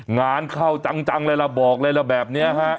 งานเข้าจังเลยเล่าบอกแบบนี้